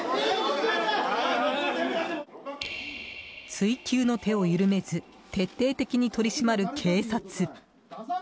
追及の手を緩めず徹底的に取り締まる警察。